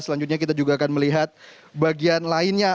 selanjutnya kita juga akan melihat bagian lainnya